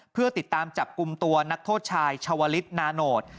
เพื่อติดตามจับกลุ่มตัวนักโทษชายชาวลิศนาโนต